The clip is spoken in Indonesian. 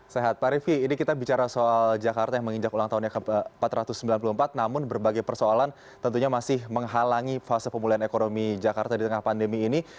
sehat pak rifki ini kita bicara soal jakarta yang menginjak ulang tahunnya ke empat ratus sembilan puluh empat namun berbagai persoalan tentunya masih menghalangi fase pemulihan ekonomi jakarta di tengah pandemi ini